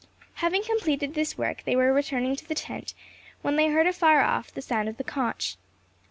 Having completed this work, they were returning to the tent, when they heard afar off the sound of the conch.